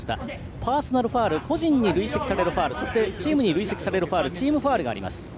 パーソナルファウル個人に累積されるファウルそしてチームに累積されるファウルチームファウルがあります。